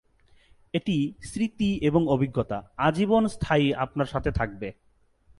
এটি স্মৃতি এবং অভিজ্ঞতা আজীবন স্থায়ী আপনার সাথে থাকবে।